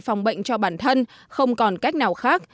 phòng bệnh cho bản thân không còn cách nào khác